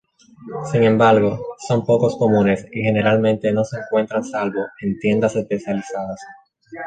Sin embargo, son poco comunes y generalmente no se encuentran salvo en tiendas especializadas.